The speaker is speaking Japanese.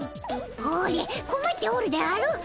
ほれこまっておるであろう。